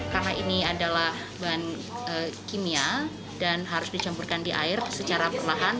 karena ini adalah bahan kimia dan harus dicampurkan di air secara perlahan